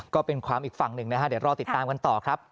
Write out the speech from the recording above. ก็เป็นความอีกฝั่งหนึ่งนะฮะเดี๋ยวรอติดตามกันต่อครับ